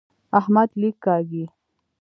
احمد لیک کاږي.